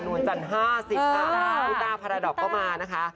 หนุนจันทร์๕๓พิตาร์พาราดอบก็มานะคะ